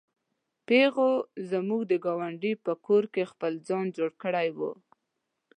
پيغو زموږ د ګاونډي په کور کې خپل ځای جوړ کړی و.